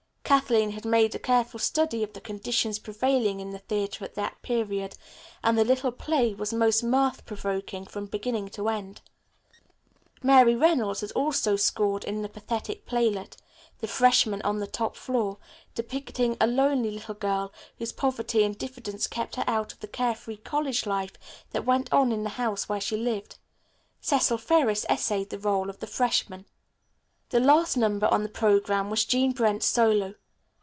Kathleen had made a careful study of the conditions prevailing in the theatre at that period, and the little play was most mirth provoking from beginning to end. Mary Reynolds had also scored in the pathetic playlet, "The Freshman on the Top Floor," depicting a lonely little girl whose poverty and diffidence kept her out of the carefree college life that went on in the house where she lived. Cecil Ferris essayed the role of the freshman. The last number on the programme was Jean Brent's solo.